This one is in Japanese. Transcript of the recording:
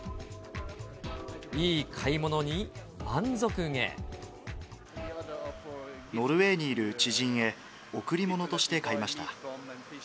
いい買い物に、ノルウェーにいる知人へ、贈り物として買いました。